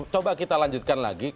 coba kita lanjutkan lagi